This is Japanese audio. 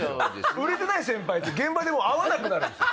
売れてない先輩って現場で会わなくなるんですよ